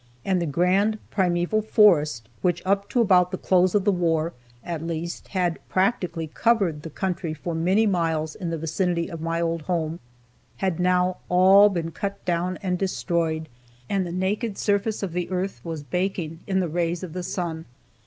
And the grand primeval forest which up to about the close of the war, at least, had practically covered the country for many miles in the vicinity of my old home, had now all been cut down and destroyed, and the naked surface of the earth was baking in the rays of the sun.